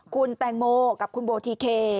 คุณแตงโมกับคุณโบทีเค